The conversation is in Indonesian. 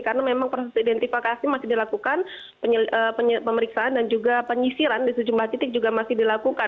karena memang proses identifikasi masih dilakukan pemeriksaan dan juga penyisiran di sejumlah titik juga masih dilakukan